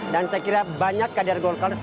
dan saya kira banyak kader golkar